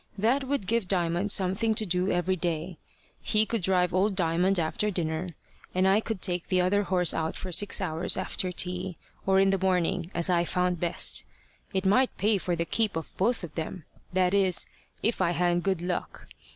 That would give Diamond something to do every day. He could drive old Diamond after dinner, and I could take the other horse out for six hours after tea, or in the morning, as I found best. It might pay for the keep of both of them, that is, if I had good luck.